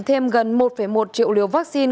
thêm gần một một triệu liều vaccine